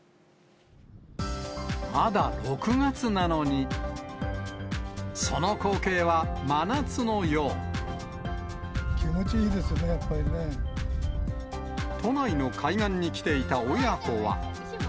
まだ６月なのに、その光景は気持ちいいですね、やっぱり都内の海岸に来ていた親子は。